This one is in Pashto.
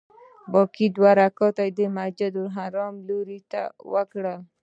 باقي دوه رکعته یې د مسجدالحرام لوري ته وکړل.